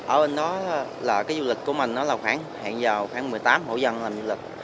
ở bên đó du lịch của mình là khoảng một mươi tám hộ dân làm du lịch